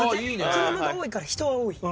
車が多いから人は多い。